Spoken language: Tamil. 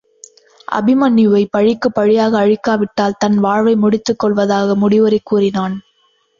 அபிமன்யுவைப் பழிக்குப் பழியாக அழிக்காவிட்டால் தன் வாழ்வை முடித்துக் கொல்வதாக முடிவுரை கூறினான்.